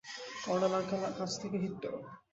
Colonel uncle কাছ থেকে, হিট্টো।